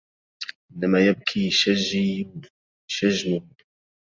إنما يبكي شجي شجنه